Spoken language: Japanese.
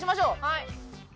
はい。